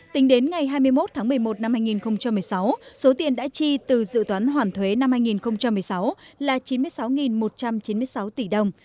tính đến ngày hai mươi một tháng một mươi một năm hai nghìn một mươi sáu số tiền đã chi từ dự toán hoàn thuế năm hai nghìn một mươi sáu là chín mươi sáu một trăm chín mươi sáu tỷ đồng